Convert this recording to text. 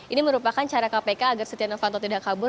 ini merupakan cara kpk agar setia novanto tidak kabur